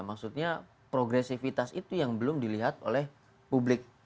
maksudnya progresivitas itu yang belum dilihat oleh publik